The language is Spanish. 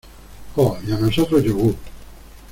jo. y a nosotros yogur .